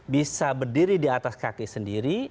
bisa berdiri di atas kaki sendiri